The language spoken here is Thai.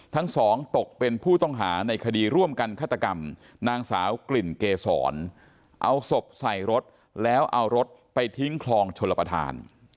ทั้งสองตกเป็นผู้ต้องหาในคดีร่วมกันฆาตกรรมนางสาวกลิ่นเกษรเอาศพใส่รถแล้วเอารถไปทิ้งคลองชลประธาน